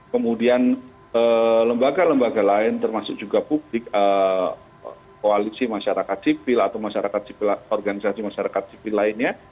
kemudian lembaga lembaga lain termasuk juga publik koalisi masyarakat sipil atau masyarakat organisasi masyarakat sipil lainnya